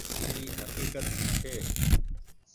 اي هڪيڪت ڇي۔